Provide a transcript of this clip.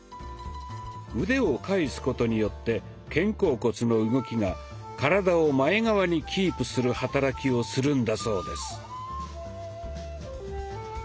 腕を返すことによって肩甲骨の動きが体を前側にキープする働きをするんだそうです。